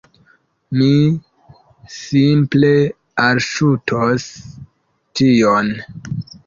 Mi simple alŝutos tion